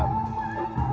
selamat datang di dubai